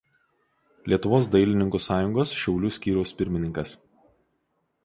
Lietuvos dailininkų sąjungos Šiaulių skyriaus pirmininkas.